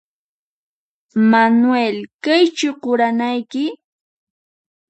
Manuel ¿Kaychu quranayki?